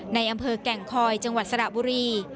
ในอำเภอแก่งคอยจังหวัดสระบุรี